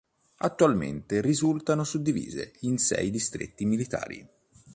Attualmente risultano suddivise in sei distretti militari.